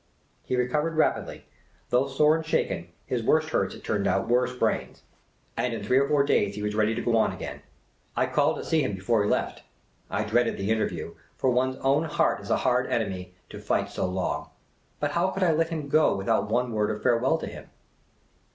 He recovered rapidly. Though sore and shaken, his worst hurts, it turned out, were sprains ; and in three or 144 Miss Cayley's Adventures four clays he was ready to go on again. I called to see him before he left. I dreaded the interview ; for one's own heart is a hard enemy to fight so long ; but how could I let him go without one word of farewell to him